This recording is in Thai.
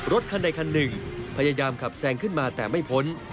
รถคันใดคันหนึ่งพยายามขับแซงขึ้นมาแต่ไม่พ้น